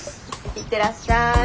いってらっしゃい。